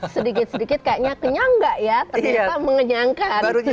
sedikit sedikit kayaknya kenyang nggak ya ternyata mengenyangkan